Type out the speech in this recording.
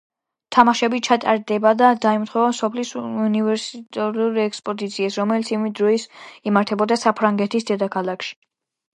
თამაშები ჩატარება დაემთხვა მსოფლიოს უნივერსალური ექსპოზიციას, რომელიც იმ დროს იმართებოდა საფრანგეთის დედაქალაქში.